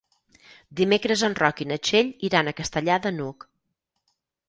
Dimecres en Roc i na Txell iran a Castellar de n'Hug.